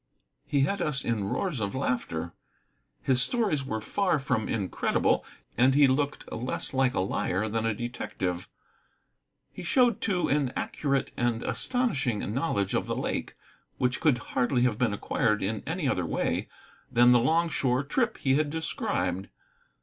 He had us in roars of laughter. His stories were far from incredible, and he looked less like a liar than a detective. He showed, too, an accurate and astonishing knowledge of the lake which could hardly have been acquired in any other way than the long shore trip he had described.